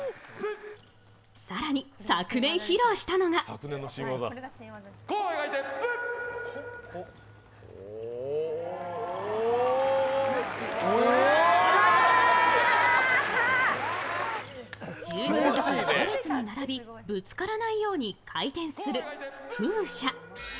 更に、昨年披露したのが１０人ずつ５列に並びぶつからないよう回転する風車。